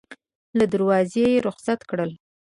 له دروازې یې رخصت کړل.